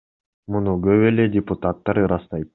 Муну көп эле депутаттар ырастайт.